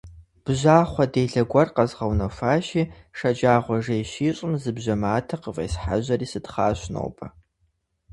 Бжьахъуэ делэ гуэр къэзгъэунэхуащи, шэджагъуэ жей щищӀым зы бжьэ матэ къыфӀесхьэжьэри сытхъэжащ нобэ.